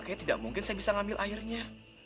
kayaknya tidak mungkin saya bisa ngambil airnya